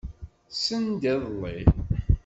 Send iḍelli.